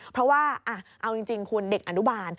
เพราะว่าเอาจริงคุณเด็กอนุบาล